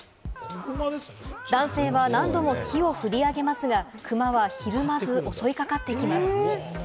男性は何度も木をふり上げますが、クマはひるまず襲いかかってきます。